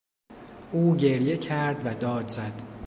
او گریه کرد و داد زد.